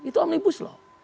itu omnibus law